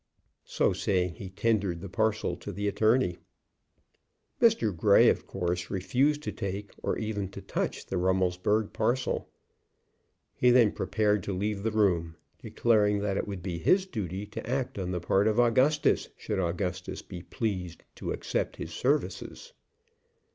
So saying he tendered the parcel to the attorney. Mr. Grey, of course, refused to take, or even to touch, the Rummelsburg parcel. He then prepared to leave the room, declaring it would be his duty to act on the part of Augustus, should Augustus be pleased to accept his services.